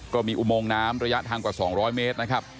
อุโมงน้ำระยะทางกว่า๒๐๐เมตรนะครับ